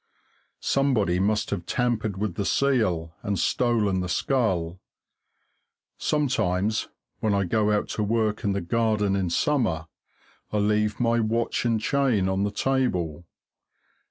Somebody must have tampered with the seal and stolen the skull. Sometimes, when I go out to work in the garden in summer, I leave my watch and chain, on the table.